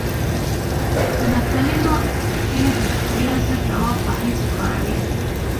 د نفتالینو ټېکلې د کویه ضد دوا په حیث کاروي.